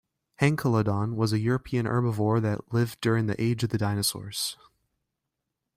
"Henkelodon" was a European herbivore that lived during the "age of the dinosaurs".